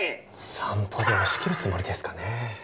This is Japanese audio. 「散歩」で押し切るつもりですかね？